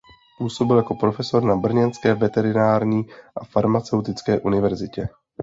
Působil jako profesor na brněnské Veterinární a farmaceutické univerzitě.